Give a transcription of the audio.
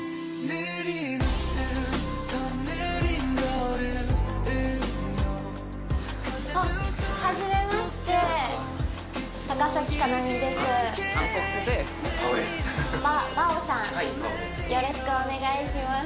よろしくお願いします